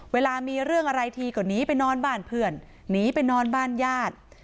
เวลามีเรื่องอะไรทีก็หนีไปนอนบ้านเพื่อนหนีไปนอนบ้านญาติ